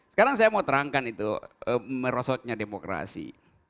sekarang saya mau terangkan itu merosotnya demokrasi